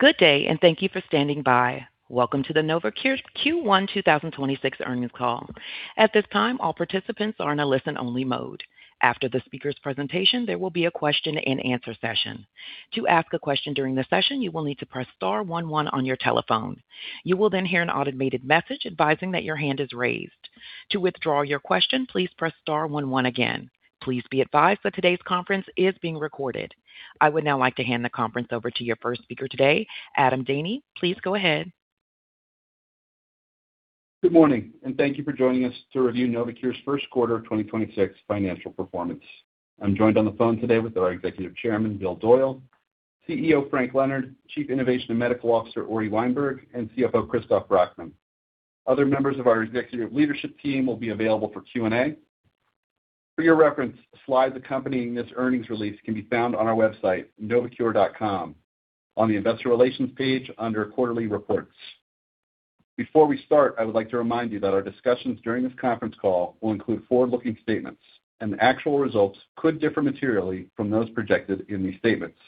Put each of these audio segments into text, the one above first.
Good day. Thank you for standing by. Welcome to the NovoCure's Q1 2026 Earnings Call. At this time, all participants are in a listen-only mode. After the speaker's presentation, there will be a question-and-answer session. To ask a question during the session, you will need to press star one one on your telephone. You will hear an automated message advising that your hand is raised. To withdraw your question, please press star one one again. Please be advised that today's conference is being recorded. I would now like to hand the conference over to your first speaker today, Adam Daney. Please go ahead. Good morning, and thank you for joining us to review NovoCure's first quarter 2026 financial performance. I'm joined on the phone today with our Executive Chairman, Bill Doyle, CEO Frank Leonard, Chief Innovation and Medical Officer Uri Weinberg, and CFO Christoph Brackmann. Other members of our executive leadership team will be available for Q&A. For your reference, slides accompanying this earnings release can be found on our website, novocure.com on the Investor Relations page under Quarterly Reports. Before we start, I would like to remind you that our discussions during this conference call will include forward-looking statements, and the actual results could differ materially from those projected in these statements.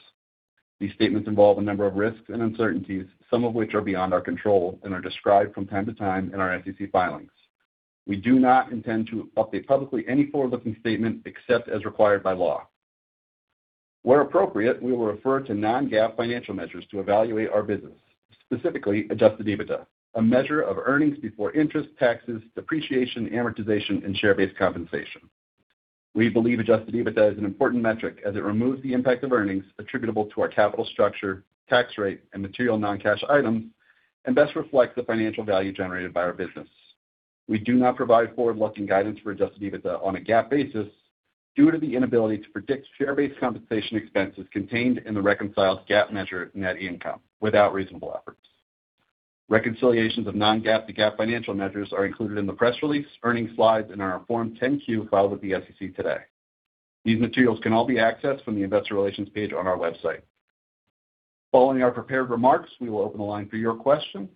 These statements involve a number of risks and uncertainties, some of which are beyond our control and are described from time to time in our SEC filings. We do not intend to update publicly any forward-looking statement except as required by law. Where appropriate, we will refer to non-GAAP financial measures to evaluate our business, specifically adjusted EBITDA, a measure of earnings before interest, taxes, depreciation, amortization, and share-based compensation. We believe adjusted EBITDA is an important metric as it removes the impact of earnings attributable to our capital structure, tax rate, and material non-cash items and best reflects the financial value generated by our business. We do not provide forward-looking guidance for adjusted EBITDA on a GAAP basis due to the inability to predict share-based compensation expenses contained in the reconciled GAAP measure net income without reasonable efforts. Reconciliations of non-GAAP to GAAP financial measures are included in the press release, earnings slides, and our Form 10-Q filed with the SEC today. These materials can all be accessed from the Investor Relations page on our website. Following our prepared remarks, we will open the line for your questions.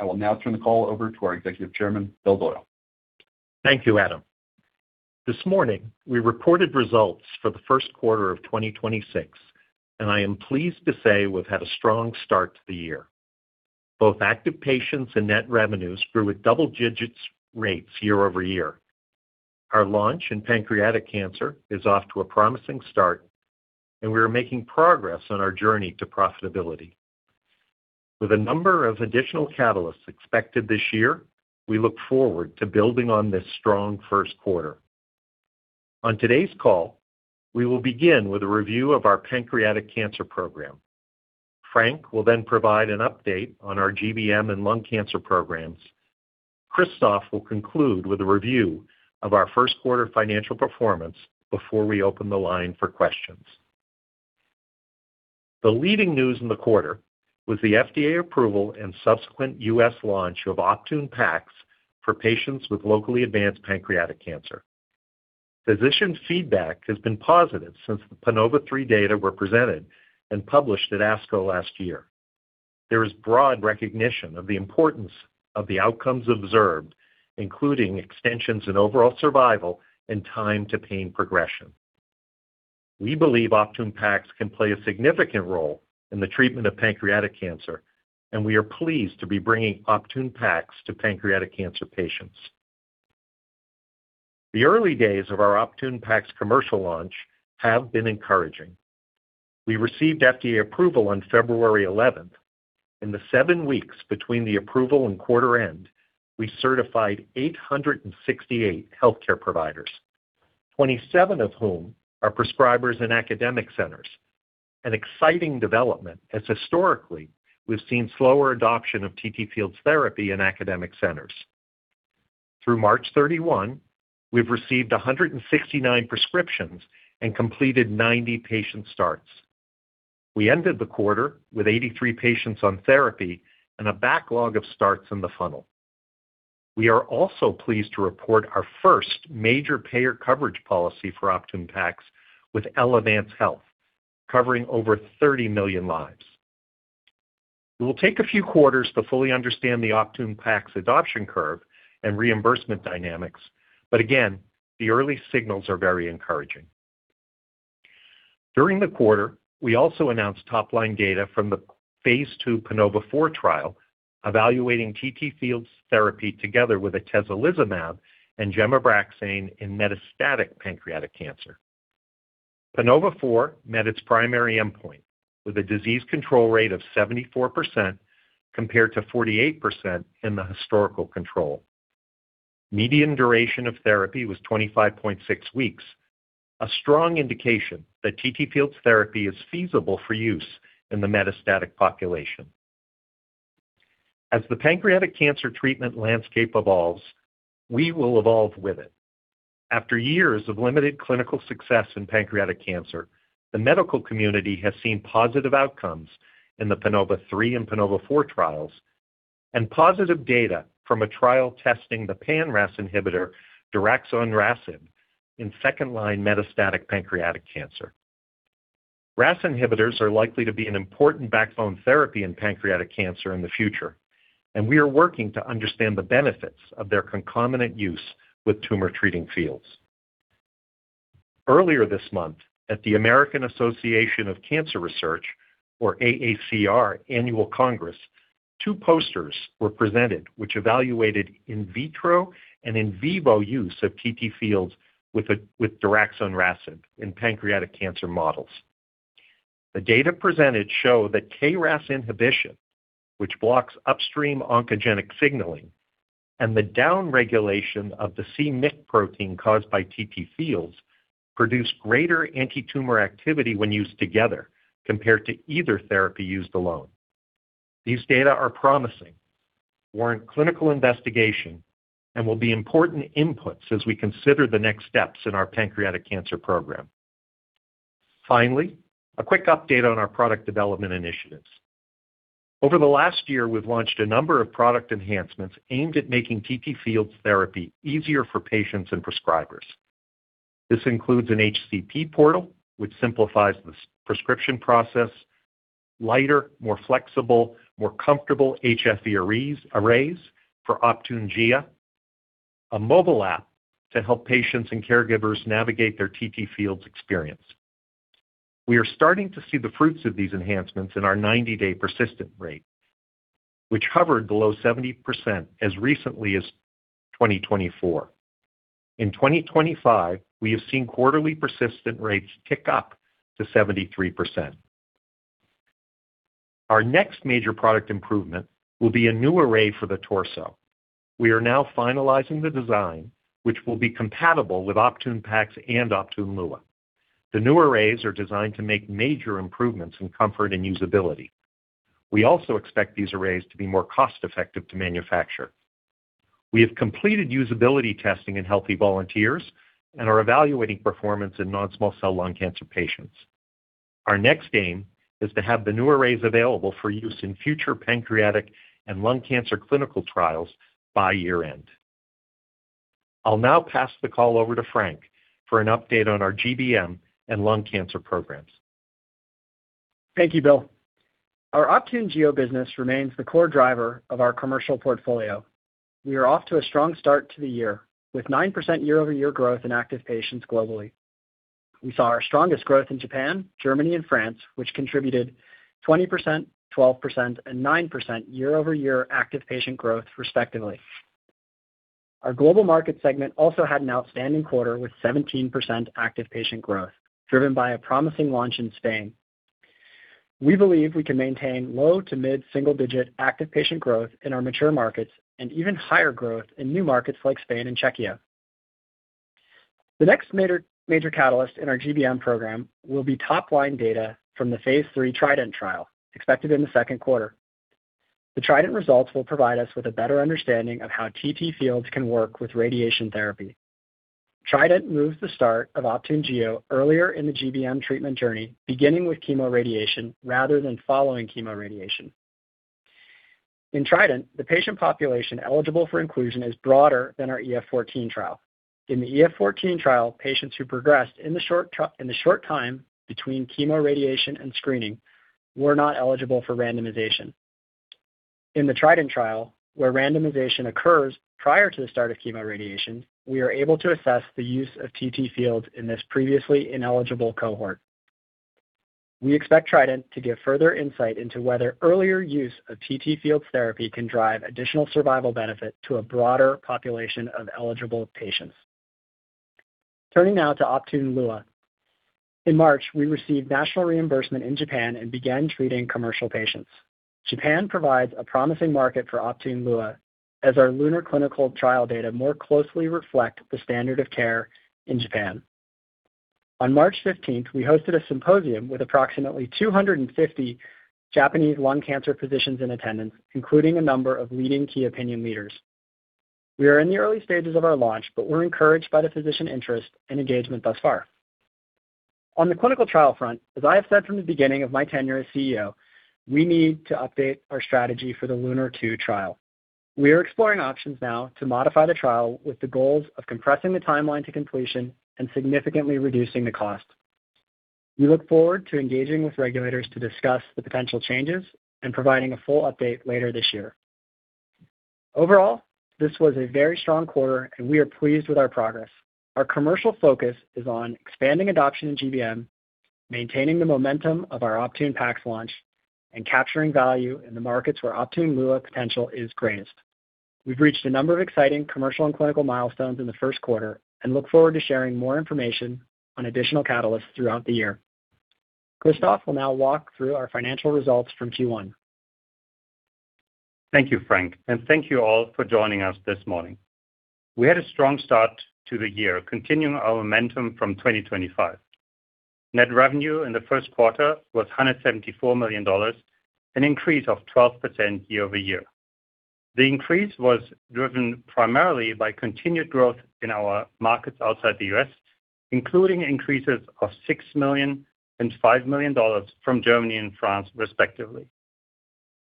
I will now turn the call over to our Executive Chairman, Bill Doyle. Thank you, Adam. This morning, we reported results for the first quarter of 2026, and I am pleased to say we've had a strong start to the year. Both active patients and net revenues grew at double-digit rates year-over-year. Our launch in pancreatic cancer is off to a promising start, and we are making progress on our journey to profitability. With a number of additional catalysts expected this year, we look forward to building on this strong first quarter. On today's call, we will begin with a review of our pancreatic cancer program. Frank will then provide an update on our GBM and lung cancer programs. Christoph will conclude with a review of our first quarter financial performance before we open the line for questions. The leading news in the quarter was the FDA approval and subsequent U.S. launch of Optune Pax for patients with locally advanced pancreatic cancer. Physician feedback has been positive since the PANOVA-3 data were presented and published at ASCO last year. There is broad recognition of the importance of the outcomes observed, including extensions in overall survival and time to pain progression. We believe Optune Pax can play a significant role in the treatment of pancreatic cancer, and we are pleased to be bringing Optune Pax to pancreatic cancer patients. The early days of our Optune Pax commercial launch have been encouraging. We received FDA approval on February 11th. In the seven weeks between the approval and quarter end, we certified 868 healthcare providers, 27 of whom are prescribers in academic centers, an exciting development as historically we've seen slower adoption of TTFields therapy in academic centers. Through March 31, we've received 169 prescriptions and completed 90 patient starts. We ended the quarter with 83 patients on therapy and a backlog of starts in the funnel. We are also pleased to report our first major payer coverage policy for Optune Pax with Elevance Health, covering over 30 million lives. It will take a few quarters to fully understand the Optune Pax adoption curve and reimbursement dynamics, but again, the early signals are very encouraging. During the quarter, we also announced top-line data from the phase II PANOVA-4 trial evaluating TTFields therapy together with atezolizumab and gemcitabine in metastatic pancreatic cancer. PANOVA-4 met its primary endpoint with a disease control rate of 74% compared to 48% in the historical control. Median duration of therapy was 25.6 weeks, a strong indication that TTFields therapy is feasible for use in the metastatic population. As the pancreatic cancer treatment landscape evolves, we will evolve with it. After years of limited clinical success in pancreatic cancer, the medical community has seen positive outcomes in the PANOVA-3 and PANOVA-4 trials and positive data from a trial testing the pan-RAS inhibitor, divarasib, in second-line metastatic pancreatic cancer. RAS inhibitors are likely to be an important backbone therapy in pancreatic cancer in the future, and we are working to understand the benefits of their concomitant use with tumor-treating fields. Earlier this month, at the American Association for Cancer Research, or AACR Annual Congress, two posters were presented which evaluated in vitro and in vivo use of TTFields with divarasib in pancreatic cancer models. The data presented show that KRAS inhibition, which blocks upstream oncogenic signaling, and the downregulation of the c-Myc protein caused by TTFields, produce greater antitumor activity when used together compared to either therapy used alone. These data are promising, warrant clinical investigation, and will be important inputs as we consider the next steps in our pancreatic cancer program. A quick update on our product development initiatives. Over the last year, we've launched a number of product enhancements aimed at making TTFields therapy easier for patients and prescribers. This includes an HCP Portal, which simplifies the prescription process, lighter, more flexible, more comfortable high-intensity arrays for Optune Gio, a mobile app to help patients and caregivers navigate their TTFields experience. We are starting to see the fruits of these enhancements in our 90-day persistent rate, which hovered below 70% as recently as 2024. In 2025, we have seen quarterly persistent rates tick up to 73%. Our next major product improvement will be a new array for the torso. We are now finalizing the design, which will be compatible with Optune Pax and Optune Lua. The new arrays are designed to make major improvements in comfort and usability. We also expect these arrays to be more cost-effective to manufacture. We have completed usability testing in healthy volunteers and are evaluating performance in non-small cell lung cancer patients. Our next aim is to have the new arrays available for use in future pancreatic and lung cancer clinical trials by year-end. I'll now pass the call over to Frank for an update on our GBM and lung cancer programs. Thank you, Bill. Our Optune Gio business remains the core driver of our commercial portfolio. We are off to a strong start to the year, with 9% year-over-year growth in active patients globally. We saw our strongest growth in Japan, Germany, and France, which contributed 20%, 12%, and 9% year-over-year active patient growth, respectively. Our global market segment also had an outstanding quarter with 17% active patient growth, driven by a promising launch in Spain. We believe we can maintain low to mid-single digit active patient growth in our mature markets and even higher growth in new markets like Spain and Czechia. The next major catalyst in our GBM program will be top-line data from the phase III TRIDENT trial expected in the second quarter. The TRIDENT results will provide us with a better understanding of how TTFields can work with radiation therapy. TRIDENT moves the start of Optune Gio earlier in the GBM treatment journey, beginning with chemoradiation rather than following chemoradiation. In TRIDENT, the patient population eligible for inclusion is broader than our EF-14 trial. In the EF-14 trial, patients who progressed in the short time between chemoradiation and screening were not eligible for randomization. In the TRIDENT trial, where randomization occurs prior to the start of chemoradiation, we are able to assess the use of TTFields in this previously ineligible cohort. We expect TRIDENT to give further insight into whether earlier use of TTFields therapy can drive additional survival benefit to a broader population of eligible patients. Turning now to Optune Lua. In March, we received national reimbursement in Japan and began treating commercial patients. Japan provides a promising market for Optune Lua as our LUNAR clinical trial data more closely reflect the standard of care in Japan. On March 15th, we hosted a symposium with approximately 250 Japanese lung cancer physicians in attendance, including a number of leading key opinion leaders. We are in the early stages of our launch, we're encouraged by the physician interest and engagement thus far. On the clinical trial front, as I have said from the beginning of my tenure as CEO, we need to update our strategy for the LUNAR-2 trial. We are exploring options now to modify the trial with the goals of compressing the timeline to completion and significantly reducing the cost. We look forward to engaging with regulators to discuss the potential changes and providing a full update later this year. Overall, this was a very strong quarter, and we are pleased with our progress. Our commercial focus is on expanding adoption in GBM, maintaining the momentum of our Optune Pax launch, and capturing value in the markets where Optune Lua potential is greatest. We've reached a number of exciting commercial and clinical milestones in the first quarter and look forward to sharing more information on additional catalysts throughout the year. Christoph will now walk through our financial results from Q1. Thank you, Frank, and thank you all for joining us this morning. We had a strong start to the year, continuing our momentum from 2025. Net revenue in the first quarter was $174 million, an increase of 12% year-over-year. The increase was driven primarily by continued growth in our markets outside the U.S., including increases of $6 million and $5 million from Germany and France, respectively.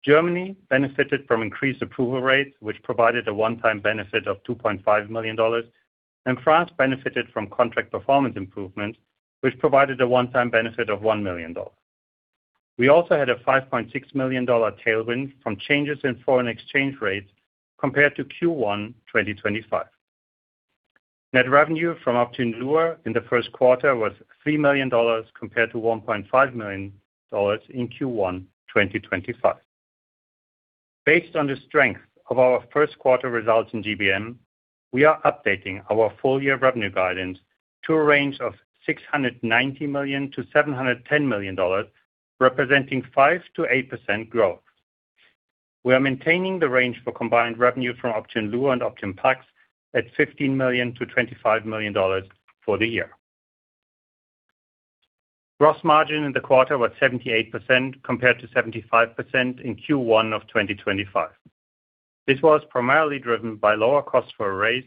Germany benefited from increased approval rates, which provided a one-time benefit of $2.5 million, and France benefited from contract performance improvement, which provided a one-time benefit of $1 million. We also had a $5.6 million tailwind from changes in foreign exchange rates compared to Q1 2025. Net revenue from Optune Lua in the first quarter was $3 million compared to $1.5 million in Q1 2025. Based on the strength of our first quarter results in GBM, we are updating our full-year revenue guidance to a range of $690 million-$710 million, representing 5%-8% growth. We are maintaining the range for combined revenue from Optune Lua and Optune Pax at $15 million-$25 million for the year. Gross margin in the quarter was 78% compared to 75% in Q1 of 2025. This was primarily driven by lower cost for arrays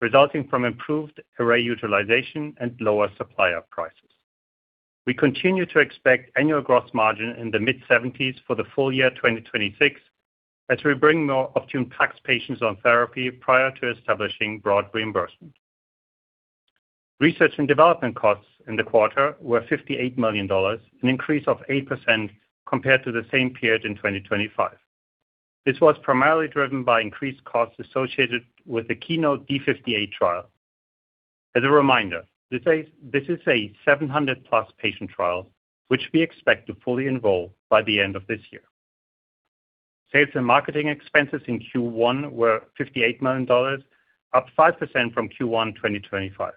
resulting from improved array utilization and lower supplier prices. We continue to expect annual gross margin in the mid-70s for the full year 2026 as we bring more Optune Pax patients on therapy prior to establishing broad reimbursement. Research and development costs in the quarter were $58 million, an increase of 8% compared to the same period in 2025. This was primarily driven by increased costs associated with the KEYNOTE-D58 trial. As a reminder, this is a 700+ patient trial, which we expect to fully enroll by the end of this year. Sales and marketing expenses in Q1 were $58 million, up 5% from Q1 2025.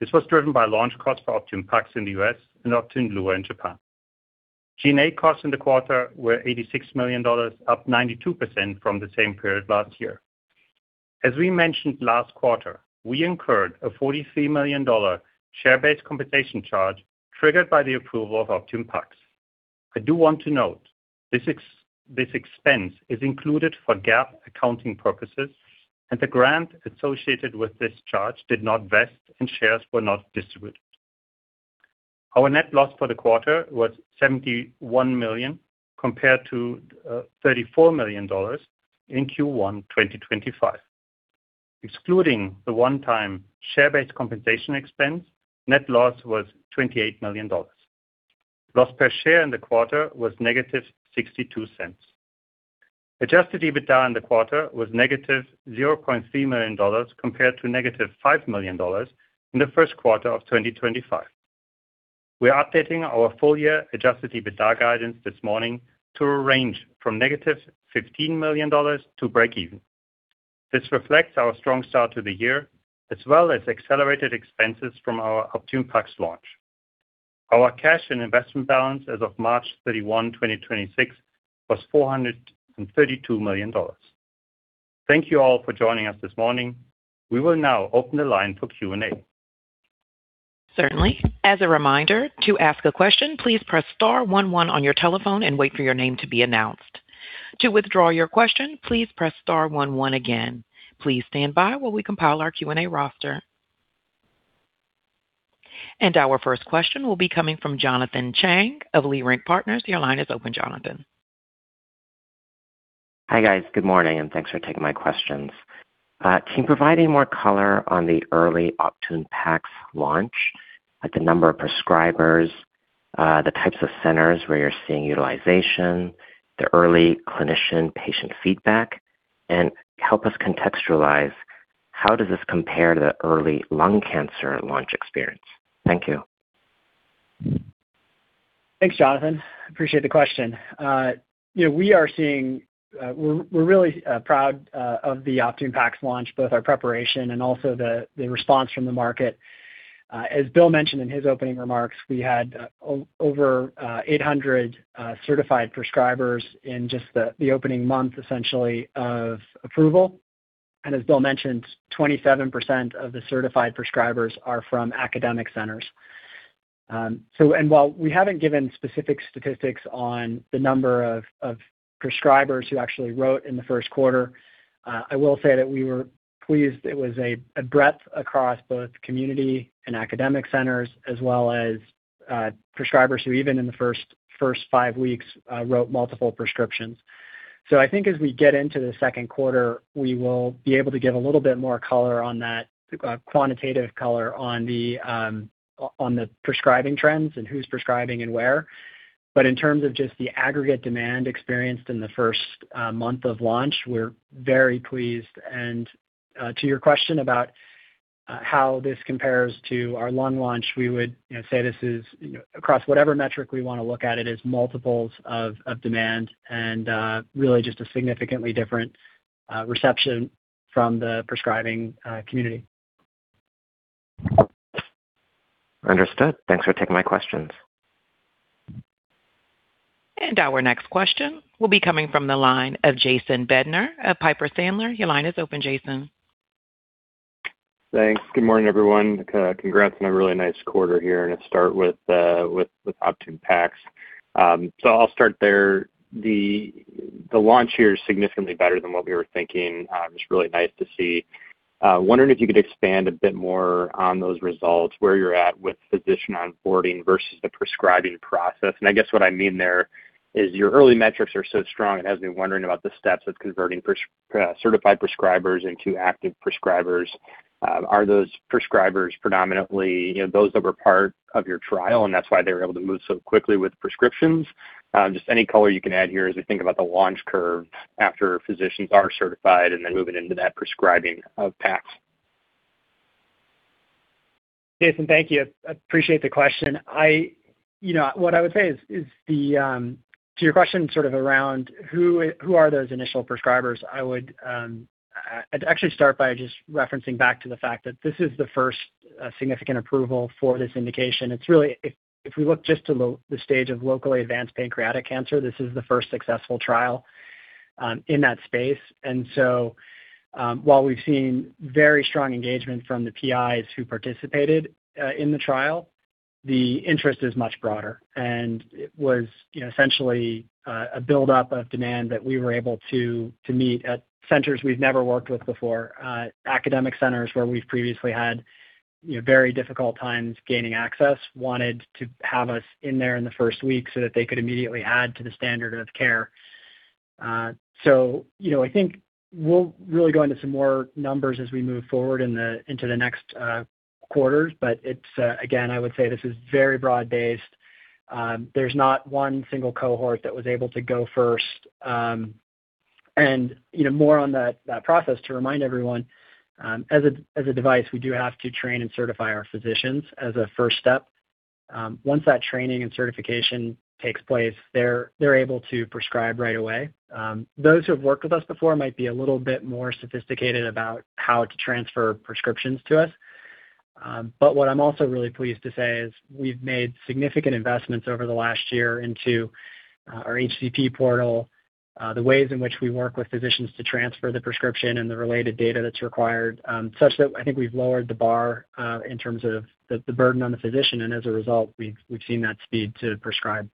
This was driven by launch costs for Optune Pax in the U.S. and Optune Lua in Japan. G&A costs in the quarter were $86 million, up 92% from the same period last year. As we mentioned last quarter, we incurred a $43 million share-based compensation charge triggered by the approval of Optune Pax. I do want to note this expense is included for GAAP accounting purposes, and the grant associated with this charge did not vest and shares were not distributed. Our net loss for the quarter was $71 million compared to $34 million in Q1 2025. Excluding the one-time share-based compensation expense, net loss was $28 million. Loss per share in the quarter was -$0.62. Adjusted EBITDA in the quarter was -$0.3 million compared to -$5 million in the first quarter of 2025. We are updating our full-year adjusted EBITDA guidance this morning to a range from -$15 million to breakeven. This reflects our strong start to the year, as well as accelerated expenses from our Optune Pax launch. Our cash and investment balance as of March 31, 2026 was $432 million. Thank you all for joining us this morning. We will now open the line for Q&A. Certainly. As a reminder, to ask a question, please press star one one on your telephone and wait for your name to be announced. To withdraw your question, please press star one one again. Please stand by while we compile our Q&A roster. Our first question will be coming from Jonathan Chang of Leerink Partners. Your line is open, Jonathan. Hi, guys. Good morning, and thanks for taking my questions. Can you provide any more color on the early Optune Pax launch, like the number of prescribers, the types of centers where you're seeing utilization, the early clinician-patient feedback, and help us contextualize how does this compare to the early lung cancer launch experience? Thank you. Thanks, Jonathan. Appreciate the question. We are seeing, we're really proud of the Optune PAX launch, both our preparation and also the response from the market. As Bill mentioned in his opening remarks, we had over 800 certified prescribers in just the opening month essentially of approval. As Bill mentioned, 27% of the certified prescribers are from academic centers. While we haven't given specific statistics on the number of prescribers who actually wrote in the 1st quarter, I will say that we were pleased it was a breadth across both community and academic centers, as well as prescribers who even in the first five weeks wrote multiple prescriptions. I think as we get into the second quarter, we will be able to give a little bit more color on that, quantitative color on the, on the prescribing trends and who's prescribing and where. In terms of just the aggregate demand experienced in the first month of launch, we're very pleased. To your question about, how this compares to our lung launch, we would, you know, say this is, you know, across whatever metric we want to look at it, is multiples of demand and, really just a significantly different, reception from the prescribing, community. Understood. Thanks for taking my questions. Our next question will be coming from the line of Jason Bednar of Piper Sandler. Your line is open, Jason. Thanks. Good morning, everyone. Congrats on a really nice quarter here, and let's start with Optune Pax. I'll start there. The launch here is significantly better than what we were thinking. It's really nice to see. Wondering if you could expand a bit more on those results, where you're at with physician onboarding versus the prescribing process? I guess what I mean there Is your early metrics are so strong, it has me wondering about the steps of converting certified prescribers into active prescribers. Are those prescribers predominantly, you know, those that were part of your trial, and that's why they were able to move so quickly with prescriptions? Just any color you can add here as we think about the launch curve after physicians are certified and then moving into that prescribing of PACS. Jason, thank you. Appreciate the question. You know what I would say is, to your question sort of around who are those initial prescribers? I'd actually start by just referencing back to the fact that this is the first significant approval for this indication. If we look just to the stage of locally advanced pancreatic cancer, this is the first successful trial in that space. While we've seen very strong engagement from the PIs who participated in the trial, the interest is much broader. It was, you know, essentially, a buildup of demand that we were able to meet at centers we've never worked with before. Academic centers where we've previously had, you know, very difficult times gaining access, wanted to have us in there in the first week so that they could immediately add to the standard of care. You know, I think we'll really go into some more numbers as we move forward in the, into the next quarters. It's again, I would say this is very broad based. There's not one single cohort that was able to go first. You know, more on that process to remind everyone, as a device, we do have to train and certify our physicians as a first step. Once that training and certification takes place, they're able to prescribe right away. Those who have worked with us before might be a little bit more sophisticated about how to transfer prescriptions to us. What I'm also really pleased to say is we've made significant investments over the last year into our HCP Portal, the ways in which we work with physicians to transfer the prescription and the related data that's required. Such that I think we've lowered the bar in terms of the burden on the physician and as a result, we've seen that speed to prescribe.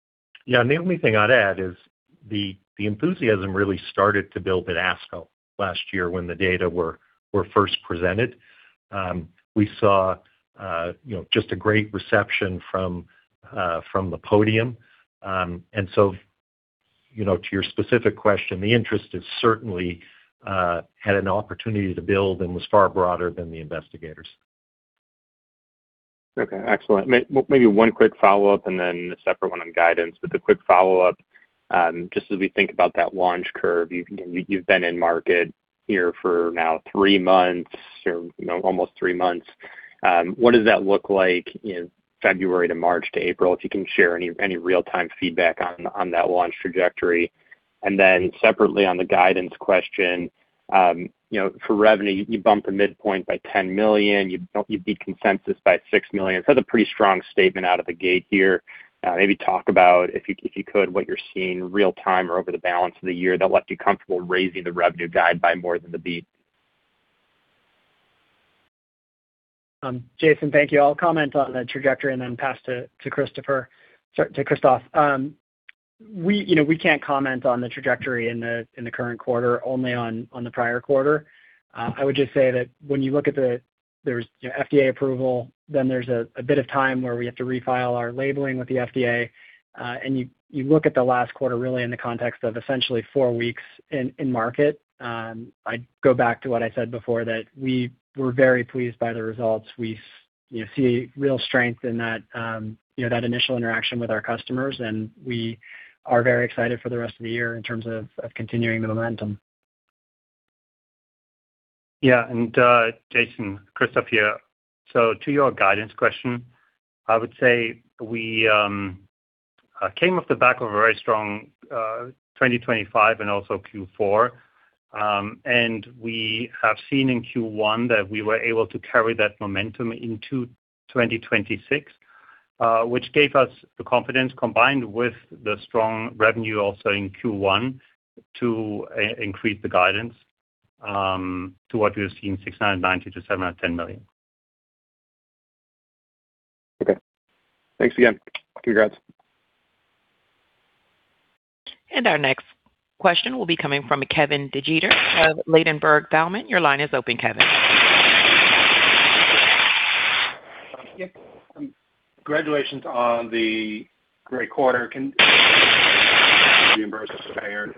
Yeah. The only thing I'd add is the enthusiasm really started to build at ASCO last year when the data were first presented. We saw, you know, just a great reception from the podium. So, you know, to your specific question, the interest has certainly had an opportunity to build and was far broader than the investigators. Okay. Excellent. Maybe one quick follow-up and then a separate one on guidance. The quick follow-up, just as we think about that launch curve, you've, you know, you've been in market here for now three months or, you know, almost three months. What does that look like in February to March to April? If you can share any real-time feedback on that launch trajectory. Separately on the guidance question, you know, for revenue, you bumped the midpoint by $10 million. You beat consensus by $6 million. That's a pretty strong statement out of the gate here. Maybe talk about if you could, what you're seeing real time or over the balance of the year that left you comfortable raising the revenue guide by more than the beat. Jason, thank you. I'll comment on the trajectory and then pass to Christoph. Sorry, to Christoph. We, you know, we can't comment on the trajectory in the current quarter, only on the prior quarter. I would just say that when you look at There's, you know, FDA approval, then there's a bit of time where we have to refile our labeling with the FDA. You look at the last quarter really in the context of essentially four weeks in market. I'd go back to what I said before, that we were very pleased by the results. We, you know, see real strength in that, you know, that initial interaction with our customers and we are very excited for the rest of the year in terms of continuing the momentum. Jason, Christoph here. To your guidance question, I would say we came off the back of a very strong 2025 and also Q4. We have seen in Q1 that we were able to carry that momentum into 2026, which gave us the confidence, combined with the strong revenue also in Q1, to increase the guidance to what we have seen, $690 million-$710 million. Okay. Thanks again. Congrats. Our next question will be coming from Kevin DeGeeter of Ladenburg Thalmann. Your line is open, Kevin. Yep. Congratulations on the great quarter. Can reimbursement payer.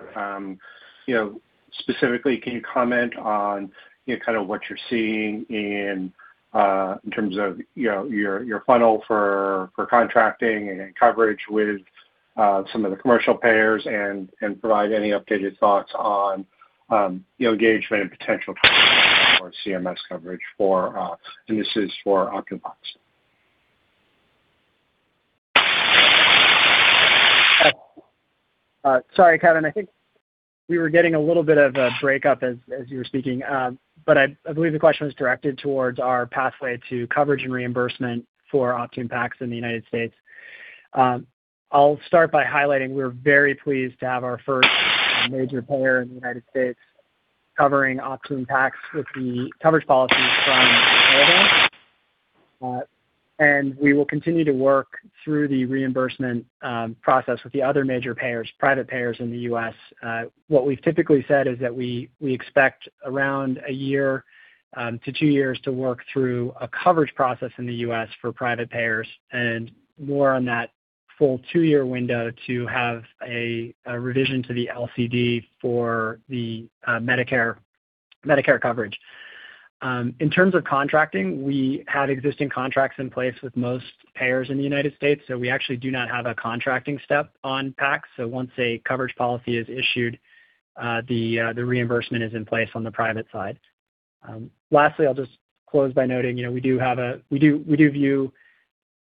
You know, specifically, can you comment on, you know, kind of what you're seeing in terms of, you know, your funnel for contracting and coverage with, some of the commercial payers? And provide any updated thoughts on, you know, engagement and potential for CMS coverage for, and this is for Optune Pax? Sorry, Kevin. I think we were getting a little bit of a breakup as you were speaking. I believe the question was directed towards our pathway to coverage and reimbursement for Optune Pax in the United States. I'll start by highlighting we're very pleased to have our first major payer in the United States covering Optune Pax with the coverage policy from Caremark. We will continue to work through the reimbursement process with the other major payers, private payers in the U.S. What we've typically said is that we expect around one year- two years to work through a coverage process in the U.S. for private payers and more on that full two-year window to have a revision to the LCD for the Medicare coverage. In terms of contracting, we have existing contracts in place with most payers in the United States., we actually do not have a contracting step on PACS. Once a coverage policy is issued, the reimbursement is in place on the private side. Lastly, I'll just close by noting, you know, we do view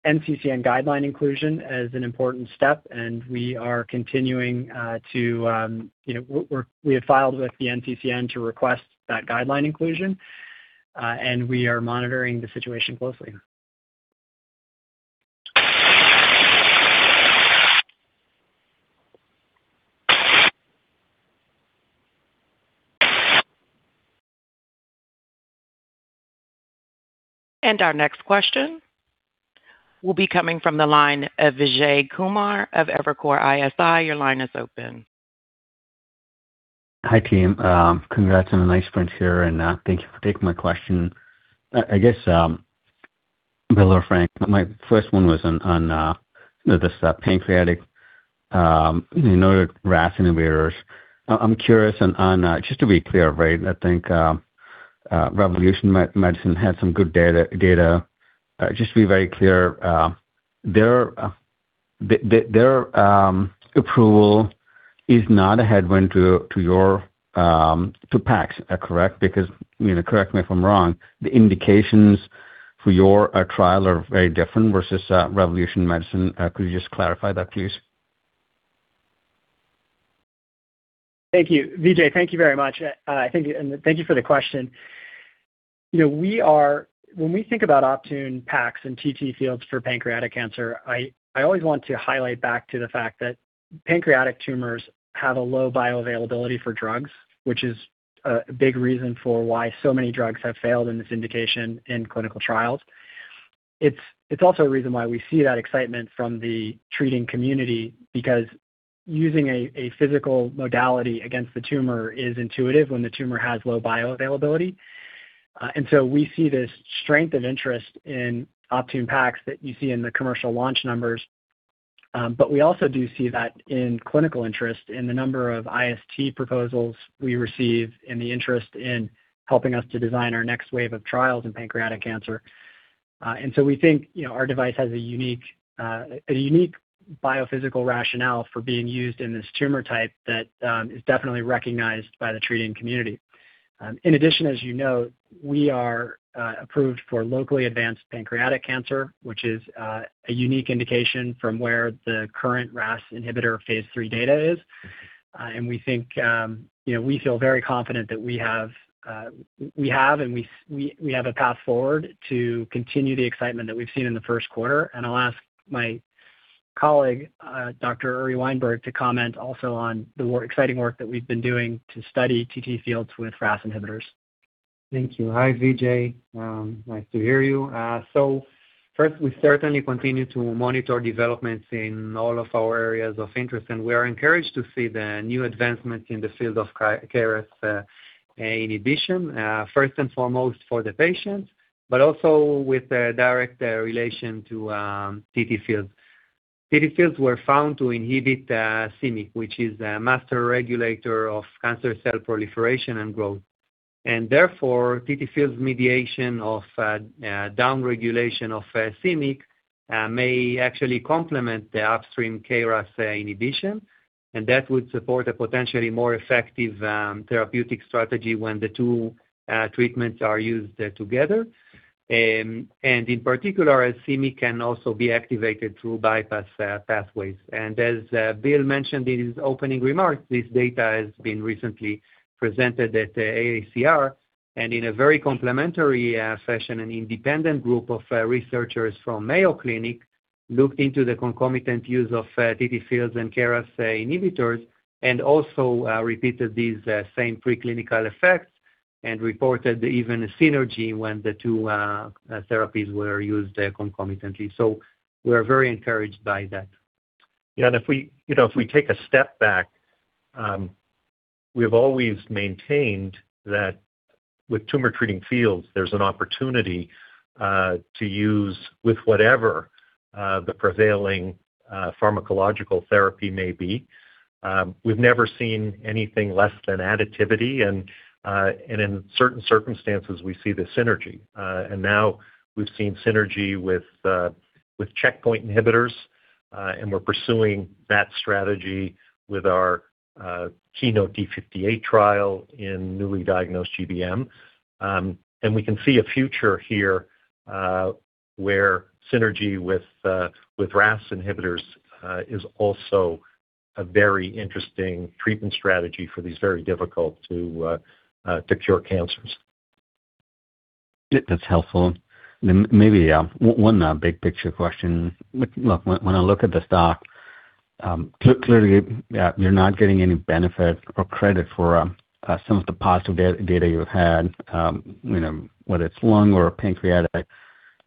NCCN guideline inclusion as an important step, and we are continuing to, you know, we have filed with the NCCN to request that guideline inclusion, and we are monitoring the situation closely. Our next question will be coming from the line of Vijay Kumar of Evercore ISI. Your line is open. Hi, team. Congrats on a nice print here, and thank you for taking my question. I guess, Bill or Frank, my first one was on, you know, this pancreatic, you know, RAS inhibitors. I'm curious on, just to be clear, right? I think, Revolution Medicines had some good data. Just to be very clear, their approval is not a headwind to your Optune Pax, correct? You know, correct me if I'm wrong, the indications for your trial are very different versus Revolution Medicines. Could you just clarify that, please? Thank you. Vijay, thank you very much. Thank you, and thank you for the question. You know, when we think about Optune Pax and TTFields for pancreatic cancer, I always want to highlight back to the fact that pancreatic tumors have a low bioavailability for drugs, which is a big reason for why so many drugs have failed in this indication in clinical trials. It's also a reason why we see that excitement from the treating community because using a physical modality against the tumor is intuitive when the tumor has low bioavailability. We see this strength of interest in Optune Pax that you see in the commercial launch numbers. We also do see that in clinical interest in the number of IST proposals we receive and the interest in helping us to design our next wave of trials in pancreatic cancer. We think, you know, our device has a unique, a unique biophysical rationale for being used in this tumor type that is definitely recognized by the treating community. As you know, we are approved for locally advanced pancreatic cancer, which is a unique indication from where the current RAS inhibitor Phase III data is. We think, you know, we feel very confident that we have, we have a path forward to continue the excitement that we've seen in the first quarter. I'll ask my colleague, Dr. Uri Weinberg to comment also on the exciting work that we've been doing to study TTFields with RAS inhibitors. Thank you. Hi, Vijay. Nice to hear you. First, we certainly continue to monitor developments in all of our areas of interest, and we are encouraged to see the new advancements in the field of KRAS inhibition, first and foremost for the patients, but also with the direct relation to TTFields. TTFields were found to inhibit cMyc, which is a master regulator of cancer cell proliferation and growth. Therefore, TTFields mediation of downregulation of cMyc may actually complement the upstream KRAS inhibition, and that would support a potentially more effective therapeutic strategy when the two treatments are used together. In particular, as cMyc can also be activated through bypass pathways. As Bill mentioned in his opening remarks, this data has been recently presented at the AACR. In a very complementary fashion, an independent group of researchers from Mayo Clinic looked into the concomitant use of TTFields and KRAS inhibitors and also repeated these same preclinical effects and reported even a synergy when the two therapies were used concomitantly. We are very encouraged by that. Yeah. If we, you know, if we take a step back, we've always maintained that with Tumor Treating Fields, there's an opportunity to use with whatever the prevailing pharmacological therapy may be. We've never seen anything less than additivity, and in certain circumstances we see the synergy. Now we've seen synergy with checkpoint inhibitors, and we're pursuing that strategy with our KEYNOTE-D58 trial in newly diagnosed GBM. We can see a future here where synergy with RAS inhibitors is also a very interesting treatment strategy for these very difficult to cure cancers. That's helpful. Maybe one big picture question. Look, when I look at the stock, clearly, you're not getting any benefit or credit for some of the positive data you've had, you know, whether it's lung or pancreatic.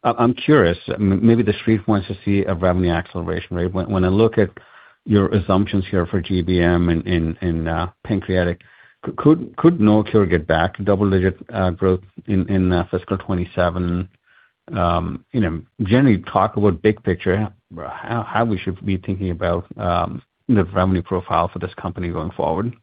I'm curious, maybe the Street wants to see a revenue acceleration rate. When I look at your assumptions here for GBM and pancreatic, could NovoCure get back double-digit growth in fiscal 2027? You know, generally talk about big picture. How we should be thinking about the revenue profile for this company going forward?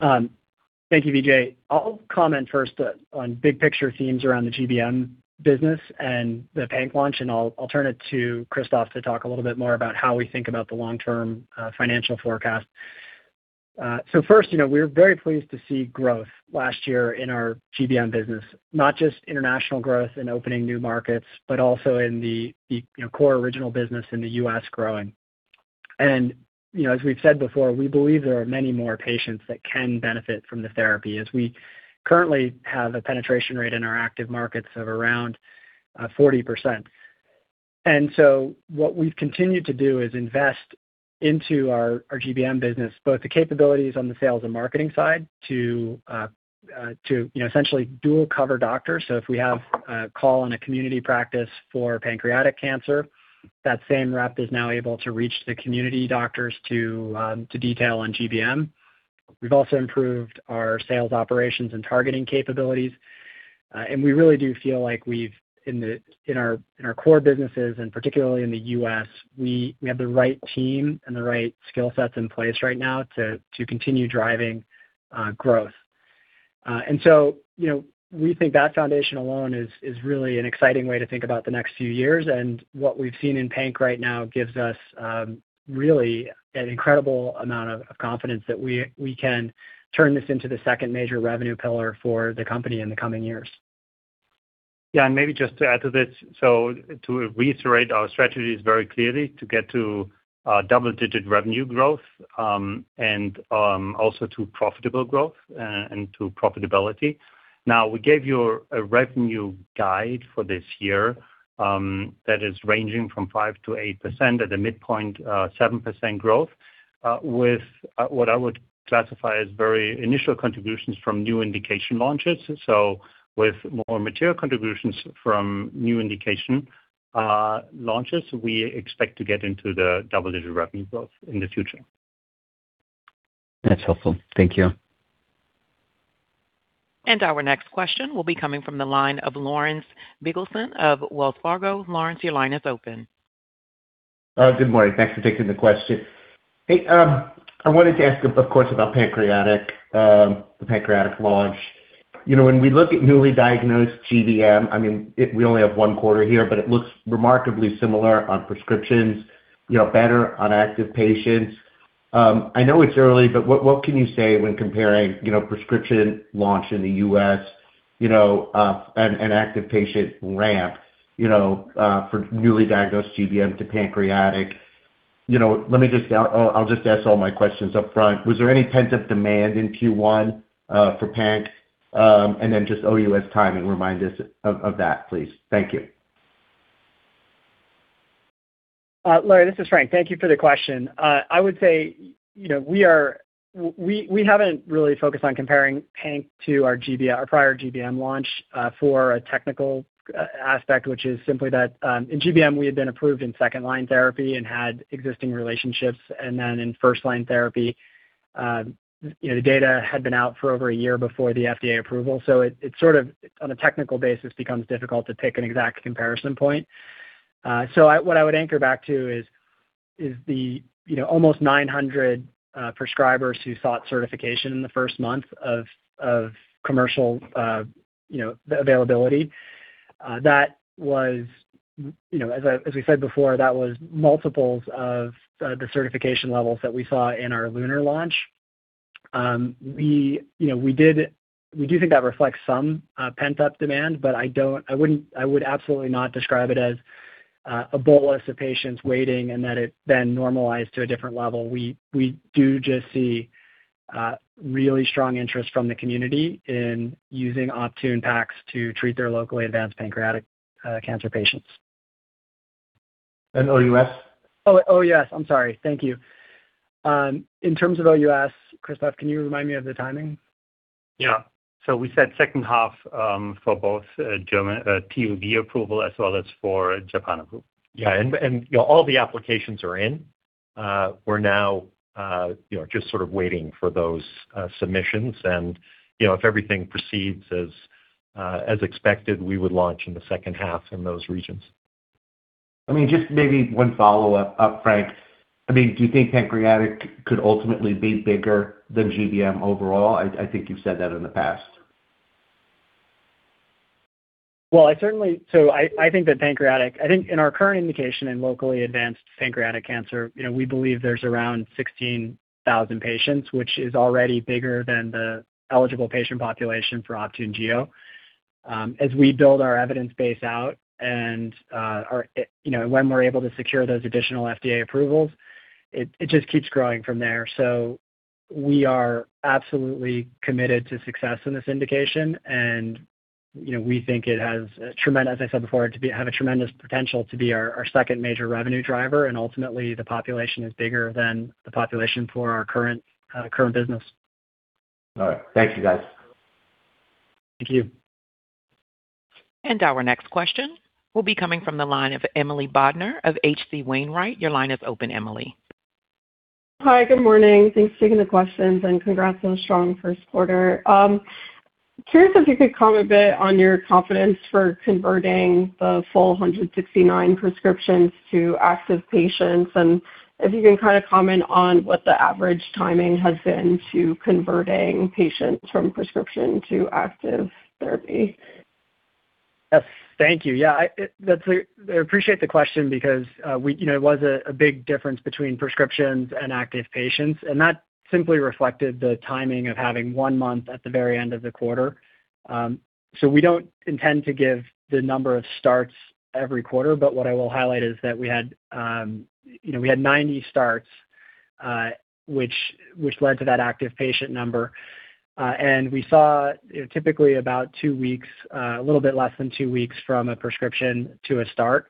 Thank you, Vijay. I'll comment first on big picture themes around the GBM business and the pank launch, and I'll turn it to Christoph to talk a little bit more about how we think about the long-term financial forecast. First, you know, we're very pleased to see growth last year in our GBM business. Not just international growth and opening new markets, but also in the, you know, core original business in the U.S. growing. You know, as we've said before, we believe there are many more patients that can benefit from the therapy, as we currently have a penetration rate in our active markets of around 40%. What we've continued to do is invest into our GBM business, both the capabilities on the sales and marketing side to, you know, essentially dual cover doctors. If we have a call in a community practice for pancreatic cancer, that same rep is now able to reach the community doctors to detail on GBM. We've also improved our sales operations and targeting capabilities. We really do feel like we've in our core businesses and particularly in the U.S., we have the right team and the right skill sets in place right now to continue driving growth. You know, we think that foundation alone is really an exciting way to think about the next few years. What we've seen in pancreatic cancer right now gives us really an incredible amount of confidence that we can turn this into the second major revenue pillar for the company in the coming years. Yeah. Maybe just to add to this, so to reiterate our strategies very clearly, to get to double-digit revenue growth, and also to profitable growth and to profitability. Now, we gave you a revenue guide for this year that is ranging from 5%-8% at a midpoint, 7% growth, with what I would classify as very initial contributions from new indication launches. With more material contributions from new indication launches, we expect to get into the double-digit revenue growth in the future. That's helpful. Thank you. Our next question will be coming from the line of Lawrence Biegelsen of Wells Fargo. Lawrence, your line is open. Good morning. Thanks for taking the question. Hey, I wanted to ask of course about pancreatic, the pancreatic launch. You know, when we look at newly diagnosed GBM, I mean, we only have one quarter here, but it looks remarkably similar on prescriptions, you know, better on active patients. I know it's early, but what can you say when comparing, you know, prescription launch in the U.S., you know, an active patient ramp, you know, for newly diagnosed GBM to pancreatic? You know, let me just. I'll just ask all my questions upfront. Was there any pent-up demand in Q1 for pank? Then just OUS timing, remind us of that, please. Thank you. Larry, this is Frank. Thank you for the question. I would say, you know, we haven't really focused on comparing pancreatic to our prior GBM launch for a technical aspect, which is simply that, in GBM, we had been approved in second-line therapy and had existing relationships. Then in first-line therapy, you know, the data had been out for over a year before the FDA approval. It sort of, on a technical basis, becomes difficult to pick an exact comparison point. What I would anchor back to is the, you know, almost 900 prescribers who sought certification in the first month of commercial, you know, availability. that was, you know, as we said before, that was multiples of the certification levels that we saw in our LUNAR launch. we, you know, we do think that reflects some pent-up demand, but I would absolutely not describe it as a bolus of patients waiting and that it then normalized to a different level. We, we do just see really strong interest from the community in using Optune Pax to treat their locally advanced pancreatic cancer patients. OUS? OUS. I'm sorry. Thank you. In terms of OUS, Christoph, can you remind me of the timing? Yeah. We said second half, for both, German, G-BA approval as well as for Japan approval. Yeah. And, you know, all the applications are in. We're now, you know, just sort of waiting for those submissions. You know, if everything proceeds as expected, we would launch in the second half in those regions. I mean, just maybe one follow-up, Frank. I mean, do you think pancreatic could ultimately be bigger than GBM overall? I think you've said that in the past. Well, I certainly. I think that pancreatic. I think in our current indication in locally advanced pancreatic cancer, you know, we believe there's around 16,000 patients, which is already bigger than the eligible patient population for Optune Gio. As we build our evidence base out and our, you know, when we're able to secure those additional FDA approvals, it just keeps growing from there. We are absolutely committed to success in this indication. You know, we think it has a tremendous potential to be our second major revenue driver, and ultimately the population is bigger than the population for our current current business. All right. Thank you, guys. Thank you. Our next question will be coming from the line of Emily Bodnar of H.C. Wainwright. Your line is open, Emily. Hi, good morning. Thanks for taking the questions, and congrats on a strong first quarter. Curious if you could comment a bit on your confidence for converting the full 169 prescriptions to active patients, and if you can kinda comment on what the average timing has been to converting patients from prescription to active therapy. Yes. Thank you. I appreciate the question because we, you know, it was a big difference between prescriptions and active patients, and that simply reflected the timing of having one month at the very end of the quarter. We don't intend to give the number of starts every quarter, but what I will highlight is that we had, you know, 90 starts, which led to that active patient number. We saw, you know, typically about two weeks, a little bit less than two weeks from a prescription to a start.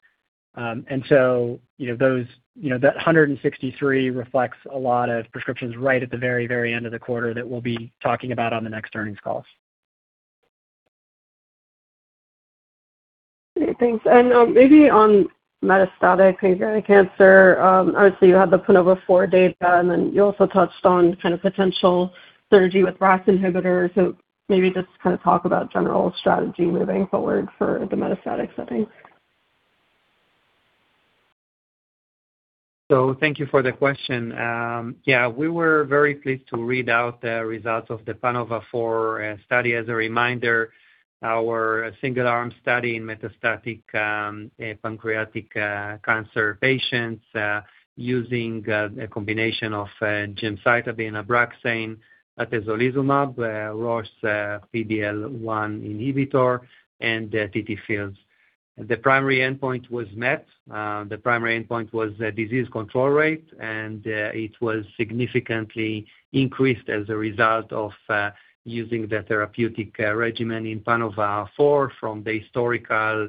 Those, you know, that 163 reflects a lot of prescriptions right at the very, very end of the quarter that we'll be talking about on the next earnings calls. Okay, thanks. Maybe on metastatic pancreatic cancer, obviously you had the PANOVA-4 data, then you also touched on kind of potential synergy with RAS inhibitor. Maybe just kind of talk about general strategy moving forward for the metastatic settings. Thank you for the question. Yeah, we were very pleased to read out the results of the PANOVA-4 study. As a reminder, our single-arm study in metastatic pancreatic cancer patients using a combination of gemcitabine Abraxane, atezolizumab, Roche's PD-L1 inhibitor and the TTFields. The primary endpoint was met. The primary endpoint was the disease control rate, and it was significantly increased as a result of using the therapeutic regimen in PANOVA-4 from the historical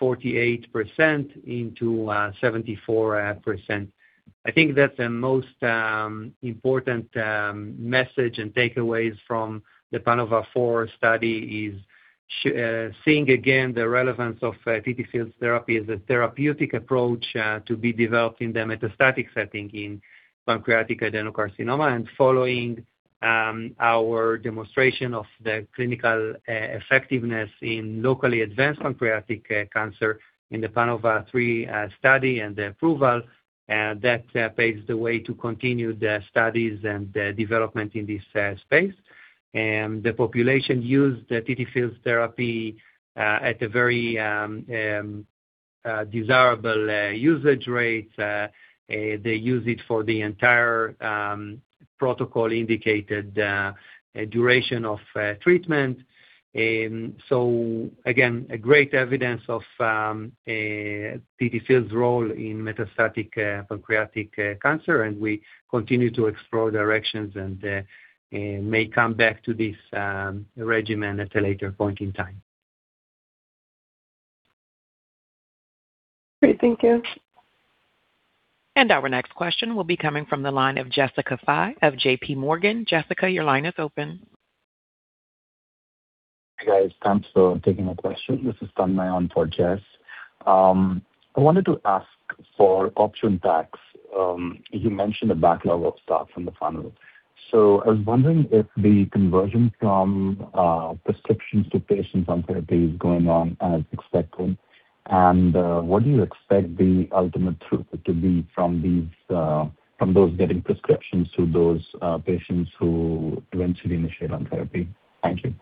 48% into 74%. I think that the most important message and takeaways from the PANOVA-4 study is seeing again the relevance of TTFields therapy as a therapeutic approach to be developed in the metastatic setting in pancreatic adenocarcinoma and following our demonstration of the clinical effectiveness in locally advanced pancreatic cancer in the PANOVA-3 study and the approval that paves the way to continue the studies and the development in this space. The population used the TTFields therapy at a very desirable usage rate. They use it for the entire protocol indicated duration of treatment. Again, a great evidence of TTFields' role in metastatic pancreatic cancer, and we continue to explore directions and may come back to this regimen at a later point in time. Great. Thank you. Our next question will be coming from the line of Jessica Fye of J.P. Morgan. Jessica, your line is open. Hi, guys. Thanks for taking the question. This is Yitong Wang for Jess. I wanted to ask for Optune Pax. You mentioned a backlog of stock from the funnel. I was wondering if the conversion from prescriptions to patients on therapy is going on as expected. What do you expect the ultimate throughput to be from these, from those getting prescriptions to those patients who eventually initiate on therapy? Thank you.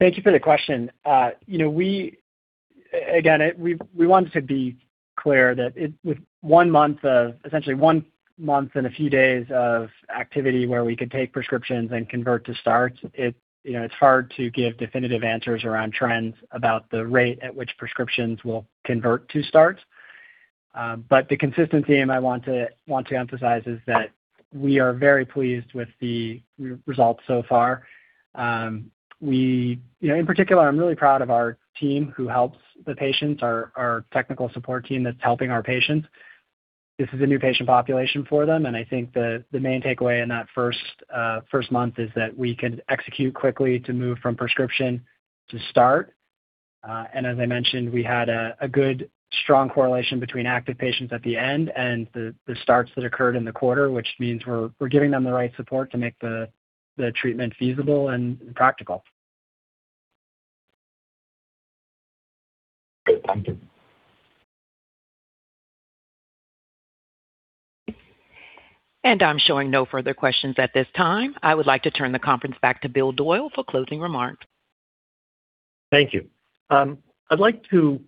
Thank you for the question. You know, again, we wanted to be clear that with one month of, essentially one month and a few days of activity where we could take prescriptions and convert to starts, it, you know, it's hard to give definitive answers around trends about the rate at which prescriptions will convert to starts. The consistency I want to emphasize is that we are very pleased with the results so far. You know, in particular, I'm really proud of our team who helps the patients, our technical support team that's helping our patients. This is a new patient population for them, and I think the main takeaway in that first month is that we can execute quickly to move from prescription to start. As I mentioned, we had a good strong correlation between active patients at the end and the starts that occurred in the quarter, which means we're giving them the right support to make the treatment feasible and practical. Great. Thank you. I'm showing no further questions at this time. I would like to turn the conference back to Bill Doyle for closing remarks. Thank you. I'd like to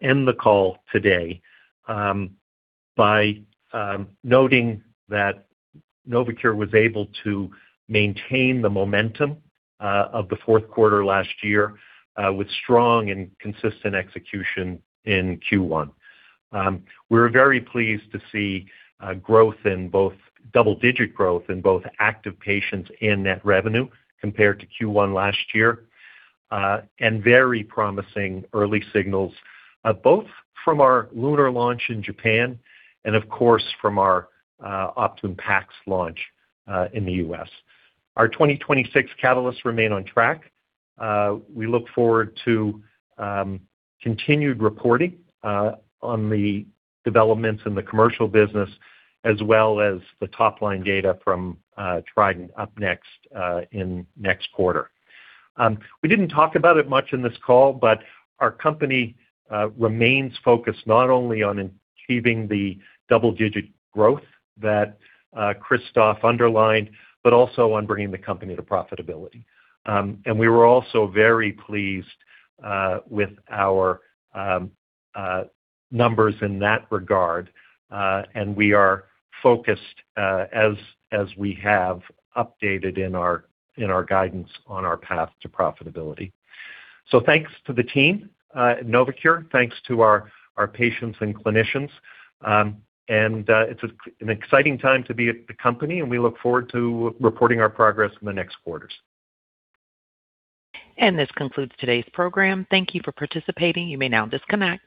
end the call today by noting that NovoCure was able to maintain the momentum of the fourth quarter last year with strong and consistent execution in Q1. We're very pleased to see double-digit growth in both active patients and net revenue compared to Q1 last year, and very promising early signals both from our LUNAR launch in Japan and of course from our Optune Pax launch in the U.S. Our 2026 catalysts remain on track. We look forward to continued reporting on the developments in the commercial business as well as the top-line data from TRIDENT up next in next quarter. We didn't talk about it much in this call, but our company remains focused not only on achieving the double-digit growth that Christoph underlined, but also on bringing the company to profitability. We were also very pleased with our numbers in that regard, and we are focused as we have updated in our guidance on our path to profitability. Thanks to the team at NovoCure, thanks to our patients and clinicians. It's an exciting time to be at the company, and we look forward to reporting our progress in the next quarters. This concludes today's program. Thank you for participating. You may now disconnect.